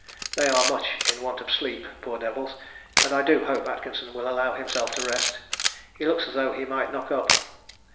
They are much in want of sleep, poor devils, and I do hope Atkinson will allow himself to rest: he looks as though he might knock up.